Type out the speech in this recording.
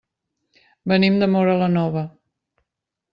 Venim de Móra la Nova.